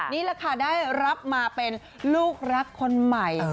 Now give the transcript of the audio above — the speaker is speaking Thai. นี่แหละค่ะได้รับมาเป็นลูกรักคนใหม่